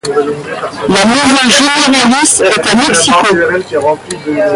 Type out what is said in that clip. La maison généralice est à Mexico.